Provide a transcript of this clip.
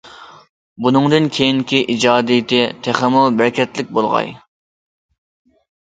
بۇنىڭدىن كېيىنكى ئىجادىيىتى تېخىمۇ بەرىكەتلىك بولغاي.